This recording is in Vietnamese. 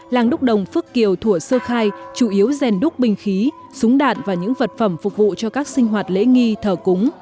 làng đúc đồng phước kiều thủa sơ khai chủ yếu rèn đúc bình khí súng đạn và những vật phẩm phục vụ cho các sinh hoạt lễ nghi thờ cúng